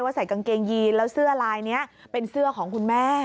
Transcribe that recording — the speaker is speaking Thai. ใส่กางเกงยีนแล้วเสื้อลายนี้เป็นเสื้อของคุณแม่